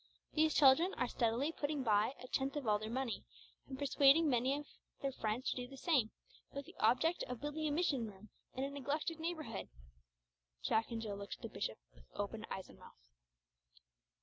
These children are steadily putting by a tenth of all their money, and persuading many of their friends to do the same, with the object of building a mission room in a neglected neighbourhood!" Jack and Jill looked at the bishop with open eyes and mouth.